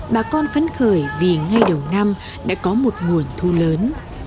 bà con phấn khởi vì ngay đầu năm đã có một nguồn thu lớn